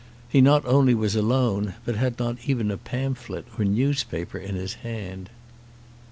He not only was alone, but had not even a pamphlet or newspaper in his hand.